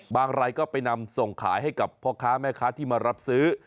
รายก็ไปนำส่งขายให้กับพ่อค้าแม่ค้าที่มารับซื้อ